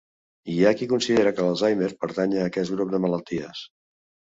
Hi ha qui considera que l'Alzheimer pertany a aquest grup de malalties.